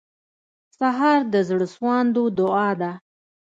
سهار د زړسواندو دعا ده.